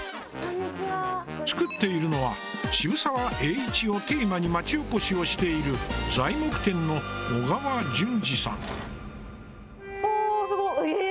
作っているのは渋沢栄一をテーマに町おこしをしている材木店の小川純司さん。